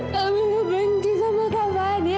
kamu gak benci sama kak fadil